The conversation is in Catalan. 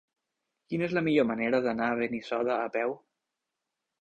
Quina és la millor manera d'anar a Benissoda a peu?